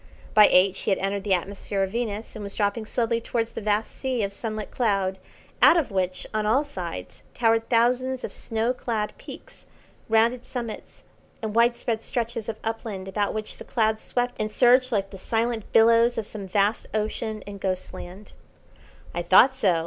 By eight she had entered the atmosphere of Venus, and was dropping slowly towards a vast sea of sunlit cloud, out of which, on all sides, towered thousands of snow clad peaks, rounded summits, and widespread stretches of upland about which the clouds swept and surged like the silent billows of some vast ocean in Ghostland. "I thought so!"